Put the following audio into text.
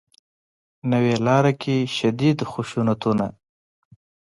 نوې لاره کې شدید خشونتونه